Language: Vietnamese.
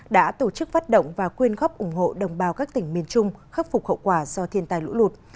đã tổ chức phát động và quyên góp ủng hộ đồng bào các tỉnh miền trung khắc phục hậu quả do thiên tai lũ lụt